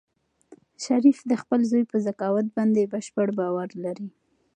شریف د خپل زوی په ذکاوت باندې بشپړ باور لري.